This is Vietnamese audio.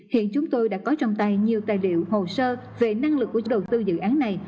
hiện chúng tôi đã có trong tay nhiều tài liệu hồ sơ về năng lực của chủ đầu tư dự án này